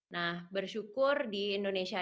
nah bersyukur di indonesia